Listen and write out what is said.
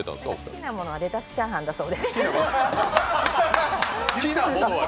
好きなものはレタスチャーハンだそうです。